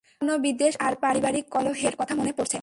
পুরনো বিদ্বেষ আর পারিবারিক কলহের কথা মনে পরছে!